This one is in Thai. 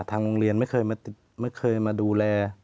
ทางโรงเรียนไม่เคยมาดูแล